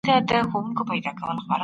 خپل کور ته ښه بوی ورکړئ.